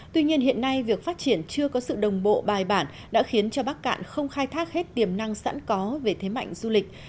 tuy nhiên hiện nay việc phát triển chưa có sự đồng bộ bài bản đã khiến cho bắc cạn không khai thác hết tiềm năng sẵn có về thế mạnh du lịch